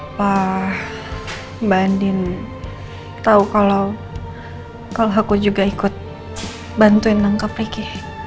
apa mbak andi tau kalau aku juga ikut bantuin nangkep riki